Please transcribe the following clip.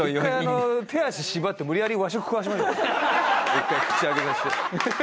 一回口開けさせて。